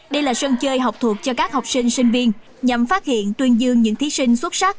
đây là sân chơi học thuộc cho các học sinh sinh viên nhằm phát hiện tuyên dương những thí sinh xuất sắc